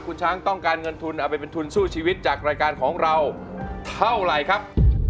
คุณช้างต้องการเงินทุนเอาไปเป็นทุนสู้ชีวิตจากรายการของเราเท่าไหร่ครับ